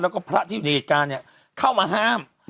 แล้วก็พระที่อยู่ในเหตุการณ์เนี่ยเข้ามาห้าม